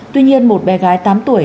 tuy nhiên một bé gái tám tuổi